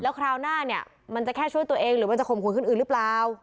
คราวหน้าเนี่ยมันจะแค่ช่วยตัวเองหรือมันจะข่มขืนคนอื่นหรือเปล่า